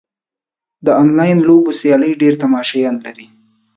د انلاین لوبو سیالۍ ډېر تماشچیان لري.